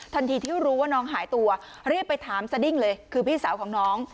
ที่รู้ว่าน้องหายตัวรีบไปถามสดิ้งเลยคือพี่สาวของน้อง